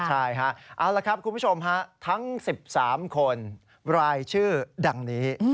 ใช่ฮะเอาละครับคุณผู้ชมฮะทั้ง๑๓คนรายชื่อดังนี้